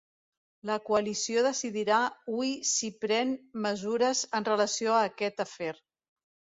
La coalició decidirà hui si pren mesures en relació a aquest afer.